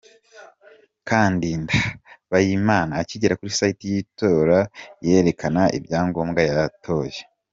Kandida Mpayimana akigera kuri site y'itoraYerekana ibyangombwaYatoye.